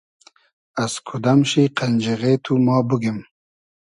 از کودئم شی قئنجیغې تو ما بوگیم